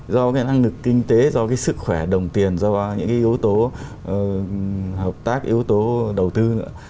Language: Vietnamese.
do cái năng lực kinh tế do cái sức khỏe đồng tiền do những cái yếu tố hợp tác yếu tố đầu tư nữa